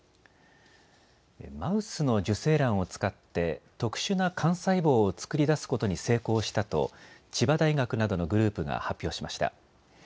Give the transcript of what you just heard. マウスの受精卵を使って特殊な幹細胞を作り出すことに成功したと千葉大学などのグループが発表しました。